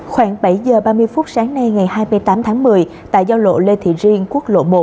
khoảng bảy giờ ba mươi phút sáng nay ngày hai mươi tám tháng một mươi tại giao lộ lê thị riêng quốc lộ một